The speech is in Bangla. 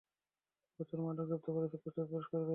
প্রচুর মাদক জব্দ করেছ, প্রচুর পুরষ্কার পেয়েছ।